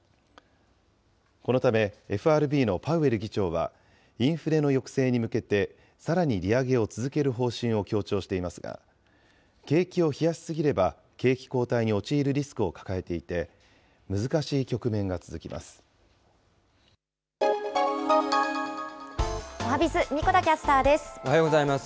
このため、ＦＲＢのパウエル議長は、インフレの抑制に向けて、さらに利上げを続ける方針を強調していますが、景気を冷やし過ぎれば景気後退に陥るリスクを抱えていて、難しいおはＢｉｚ、おはようございます。